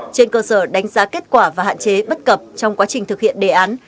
trên cơ sở đánh giá kết quả và hạn chế bất cập trong quá trình thực hiện đề án